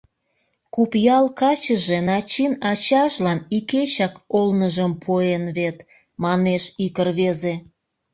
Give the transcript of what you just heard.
— Купъял качыже Начин ачажлан икечак олныжым пуэн вет, — манеш ик рвезе.